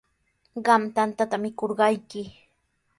Qam tantata mikurqayki.